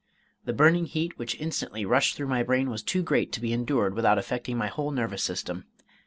The burning heat which instantly rushed through my brain was too great to be endured without affecting my whole nervous system.